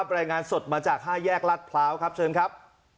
รายงานสดมาจาก๕แยกรัฐพร้าวครับเชิญครับ